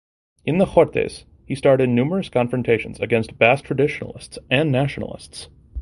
In the Cortes he starred in numerous confrontations against Basque traditionalists and nationalists.